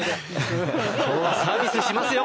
今日はサービスしますよ！